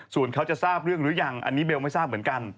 ส่วนเขาจะทราบเรื่องหรือยังอันนี้เบลไม่ทราบเหมือนกัน